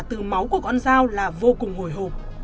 từ máu của con dao là vô cùng hồi hộp